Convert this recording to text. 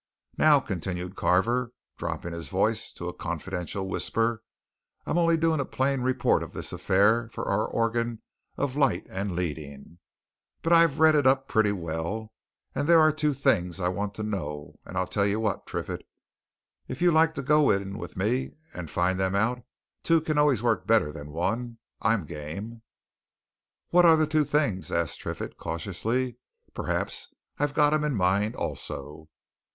Now," continued Carver, dropping his voice to a confidential whisper, "I'm only doing a plain report of this affair for our organ of light and leading, but I've read it up pretty well, and there are two things I want to know, and I'll tell you what, Triffitt, if you like to go in with me at finding them out two can always work better than one I'm game!" "What are the two things?" asked Triffitt, cautiously. "Perhaps I've got 'em in mind also."